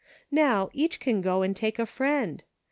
Now, each can go and take a friend.